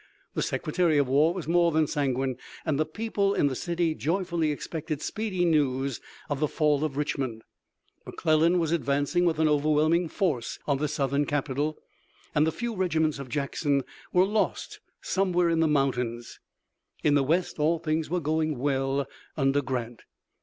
The Secretary of War was more than sanguine, and the people in the city joyfully expected speedy news of the fall of Richmond. McClellan was advancing with an overwhelming force on the Southern capital, and the few regiments of Jackson were lost somewhere in the mountains. In the west all things were going well under Grant.